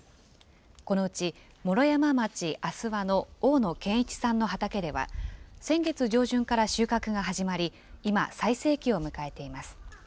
このうち、毛呂山町阿諏訪の大野謙一さんの畑では、先月上旬から収穫が始まり、今、最盛期を迎えています。